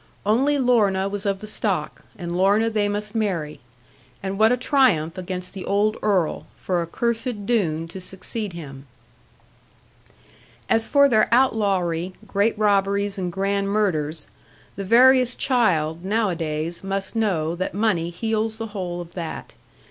Only Lorna was of the stock; and Lorna they must marry. And what a triumph against the old earl, for a cursed Doone to succeed him! As for their outlawry, great robberies, and grand murders, the veriest child, nowadays, must know that money heals the whole of that.